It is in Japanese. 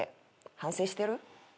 反省してる？